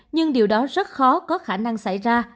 nhưng điều đó rất khó có khả năng xảy ra